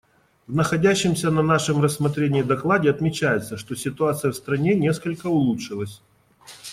В находящемся на нашем рассмотрении докладе отмечается, что ситуация в стране несколько улучшилась.